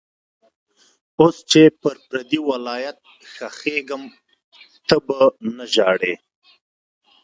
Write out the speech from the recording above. اوس چي پر پردي ولات ښخېږم ته به نه ژاړې.